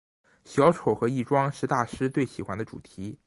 小丑和易装是大师最喜欢的主题。